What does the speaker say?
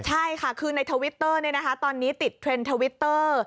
ใช่ค่ะคือในทวิตเตอร์ตอนนี้ติดเทรนด์ทวิตเตอร์